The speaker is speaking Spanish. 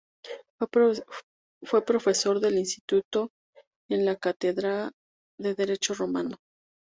Fue profesor del Instituto en la cátedra de derecho romano.